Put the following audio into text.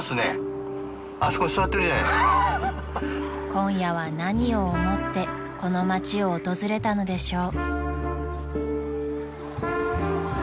［今夜は何を思ってこの街を訪れたのでしょう］